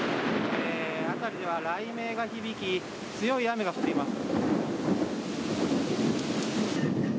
辺りでは雷鳴が響き、強い雨が降っています。